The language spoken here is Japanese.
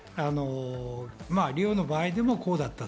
リオの場合でもこうだった。